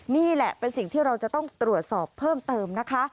นี่แหละเป็นสิ่งที่เราจะต้องตรวจสอบเพิ่มเติมนะคะ